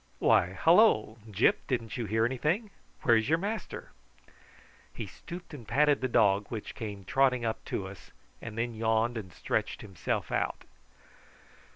Why, hallo! Gyp, didn't you hear anything? Where's your master?" He stooped and patted the dog, which came trotting up to us, and then yawned and stretched himself out.